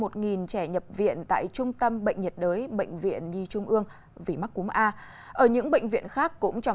trẻ nhập viện tại trung tâm bệnh nhiệt đới bệnh viện nhi trung ương ở những bệnh viện khác cũng trong